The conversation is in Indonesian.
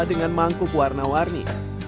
dengan mangkuk warna warna